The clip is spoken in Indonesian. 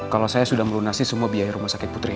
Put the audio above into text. kalau saya sudah melunasi semua biaya rumah sakit putri